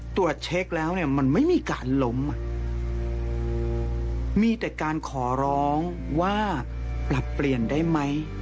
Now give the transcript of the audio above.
ตรวจเช็คแล้วเนี่ยมันไม่มีการล้มมีแต่การขอร้องว่าปรับเปลี่ยนได้ไหม